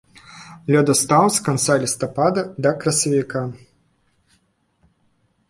Ледастаў з канца лістапада да красавіка.